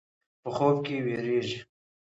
په خوب کې وېرېږي.